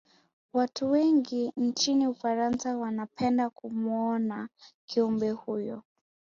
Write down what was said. Watu wengi nchini ufarasa wanapenda kumuona Kiumbe huyo